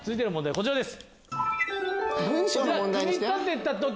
こちらです。